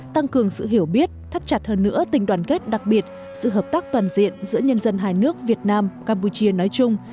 tăng cường sự hiểu biết thắt chặt hơn nữa tình đoàn kết đặc biệt sự hợp tác toàn diện giữa nhân dân hai nước việt nam campuchia nói chung